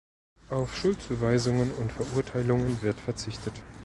Auf Schuldzuweisungen und Verurteilungen wird verzichtet.